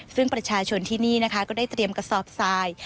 ซึ่งประชาชนที่นี่นะคะก็ได้เตรียมกระสอบทราย